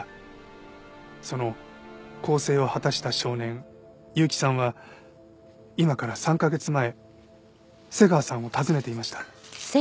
その更生を果たした少年結城さんは今から３カ月前瀬川さんを訪ねていました。